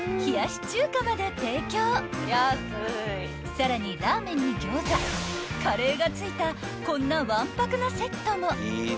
［さらにラーメンに餃子カレーが付いたこんなわんぱくなセットも］